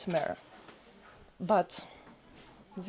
tapi ini adalah